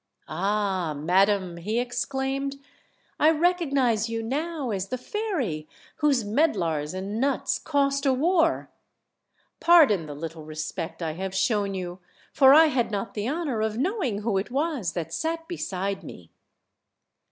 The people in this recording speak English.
"Ah, madam," he exclaimed, "I recognize you now as the fairy whose medlars and nuts cost a war. Pardon the little respect I have shown you, for I had not the honor of knowing who it was that sat beside me."